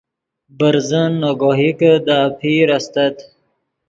برزن نے گوہکے دے اپیر استت